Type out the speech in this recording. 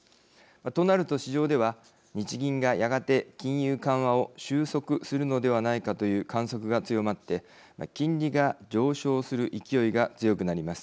となると市場では日銀が、やがて金融緩和を収束するのではないかという観測が強まって金利が上昇する勢いが強くなります。